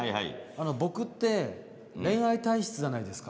僕って恋愛体質じゃないですか。